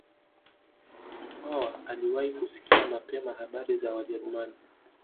Mkwawa aliwahi kusikia mapema habari za Wajerumani